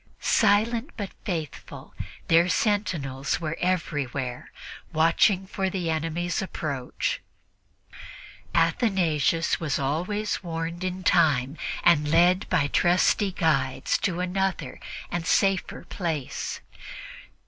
Silent but faithful, their sentinels were everywhere, watching for the enemy's approach. Athanasius was always warned in time and led by trusty guides to another and a safer place.